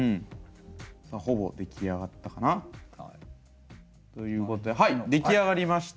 ほぼ出来上がったかな？ということではい出来上がりました。